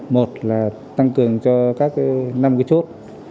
một là tăng cường cho các năm cái chốt